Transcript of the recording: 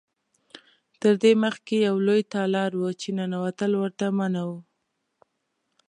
تر دې مخکې یو لوی تالار و چې ننوتل ورته منع و.